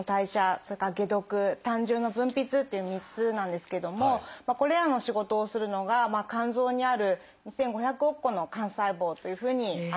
それから「解毒」「胆汁の分泌」っていう３つなんですけどもこれらの仕事をするのが肝臓にある２，５００億個の肝細胞というふうにいわれています。